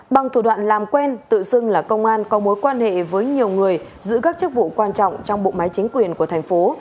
bằng thủ đoạn làm quen tự xưng là công an có mối quan hệ với nhiều người giữ các chức vụ quan trọng trong bộ máy chính quyền của thành phố